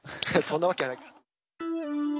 そんなわけはないか。